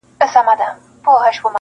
هغه پلار یې چي یو وخت شاه جهان وو-